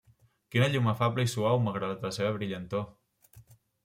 Quina llum afable i suau malgrat la seva brillantor!